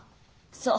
そう。